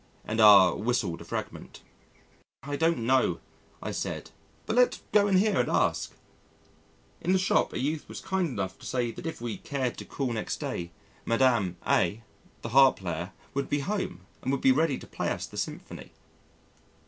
and R whistled a fragment. "I don't know," I said, "but let's go in here and ask." In the shop, a youth was kind enough to say that if we cared to call next day, Madame A , the harp player would be home and would be ready to play us the symphony.